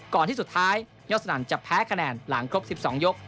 ที่สุดท้ายยอดสนั่นจะแพ้คะแนนหลังครบ๑๒ยก